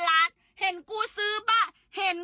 ทาวิตกูเพิ่งเริ่มเล่น